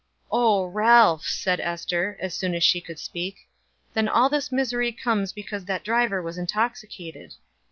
"Oh Ralph!" said Ester, as soon as she could speak. "Then all this misery comes because that driver was intoxicated."